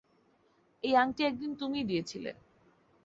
এই আংটি একদিন তুমিই দিয়েছিলে।